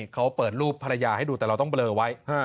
เขาเปิดรูปภรรยาให้ดูแต่เราต้องเบลอไว้